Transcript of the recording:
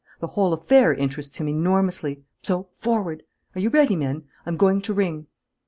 The whole affair interests him enormously. So, forward! Are you ready, men? I'm going to ring."